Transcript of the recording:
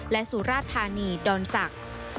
และสุราธารณีดอนสัก